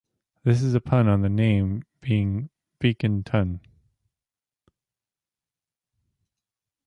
This is a pun on his name, being "beacon tun".